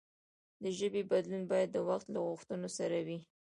د ژبې بدلون باید د وخت له غوښتنو سره وي.